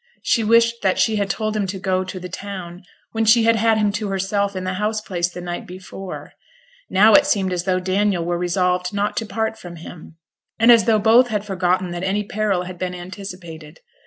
She wished that she had told him to go to the town, when she had had him to herself in the house place the night before; now it seemed as though Daniel were resolved not to part from him, and as though both had forgotten that any peril had been anticipated.